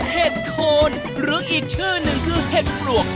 เห็ดโคนหรืออีกชื่อหนึ่งคือเห็ดปลวก